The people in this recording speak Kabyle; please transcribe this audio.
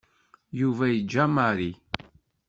Yuba yeǧǧa Mary.